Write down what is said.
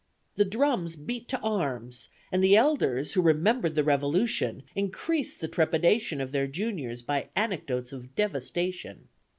The drums beat to arms; and the elders, who remembered the Revolution, increased the trepidation of their juniors by anecdotes of devastation.